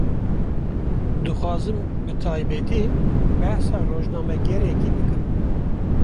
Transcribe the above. Dixwazim bi taybetî, behsa rojnamegerekî bikim